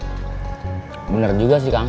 eh bener juga sih kang